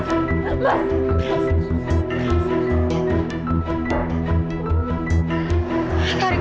nyalain terus ya